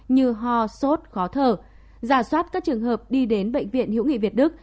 như ho sốt khó thở giả soát các trường hợp đi đến bệnh viện hữu nghị việt đức